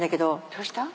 どうした？